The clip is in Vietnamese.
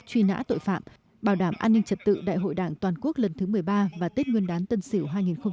truy nã tội phạm bảo đảm an ninh trật tự đại hội đảng toàn quốc lần thứ một mươi ba và tết nguyên đán tân sỉu hai nghìn hai mươi một